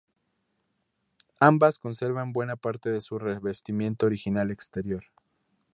Ambas conservan buena parte de su revestimiento original exterior.